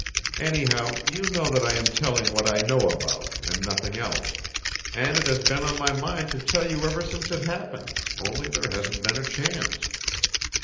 Anyhow, you know that I am telling what I know about, and nothing else; and it has been on my mind to tell you ever since it happened, only there hasn't been a chance.